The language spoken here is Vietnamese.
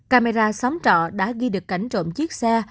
camera xóm trọ đã ghi được cảnh trộm chiếc xe